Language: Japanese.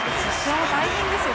大変ですよ。